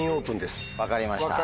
分かりました。